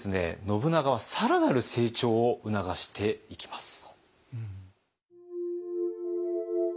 信長は更なる成長を促していきます。